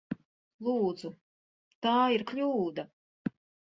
Lūdzu! Tā ir kļūda!